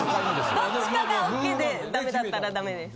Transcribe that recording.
・どっちかがＯＫでダメだったらダメです。